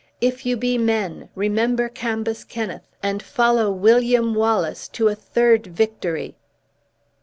if you be men, remember Cambus Kenneth, and follow William Wallace to a third victory!"